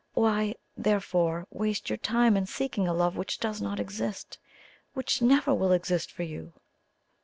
Why, therefore, waste your time in seeking a love which does not exist, which never will exist for you?"